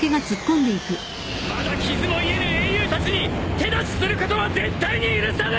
まだ傷も癒えぬ英雄たちに手出しすることは絶対に許さぬ。